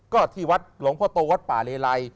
ก็ที่วัดหลวงพ่อโตวัดป่าเลไล